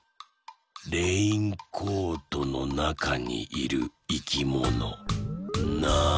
レインコートのなかにいるいきものなんだ？